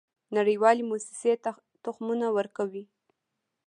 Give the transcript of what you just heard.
نړیوالې موسسې تخمونه ورکوي.